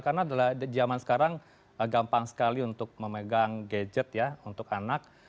karena zaman sekarang gampang sekali untuk memegang gadget untuk anak